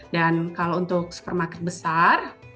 dan kalau untuk supermarket besar